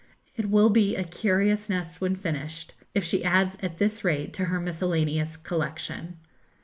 It will be a curious nest when finished, if she adds at this rate to her miscellaneous collection.